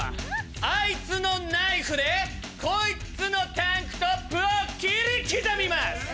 あいつのナイフでこいつのタンクトップを切り刻みます！